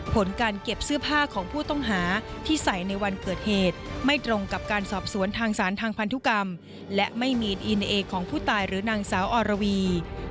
ผลการเก็บเสื้อผ้าของผู้ต้องหาที่ใส่ในวันเกิดเหตุไม่ตรงกับการสอบสวนทางสารทางพันธุกรรมและไม่มีอีเนเอของผู้ตายหรือนางสาวอรวี